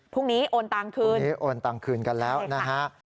พรุ่งนี้โอนตังคืนกันแล้วนะฮะ